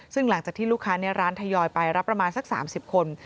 ซึ่งหลังจากที่ลูกค้าในร้านทยอยไปรับประมาณสัก๓๐คน